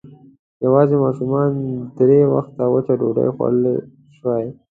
يواځې ماشومانو درې وخته وچه ډوډۍ خوړلی شوای.